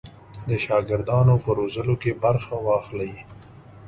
د شاګردانو په روزلو کې برخه واخلي.